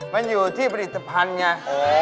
มันอยู่ที่ผลิตภัณฑ์ไง